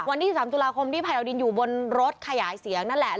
วันที่๑๓ตุลาคมที่ภัยดาวดินอยู่บนรถขยายเสียงนั่นแหละ